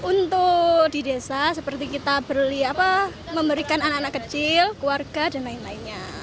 untuk di desa seperti kita berli memberikan anak anak kecil keluarga dan lain lainnya